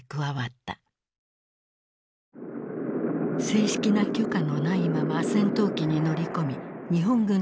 正式な許可のないまま戦闘機に乗り込み日本軍と交戦。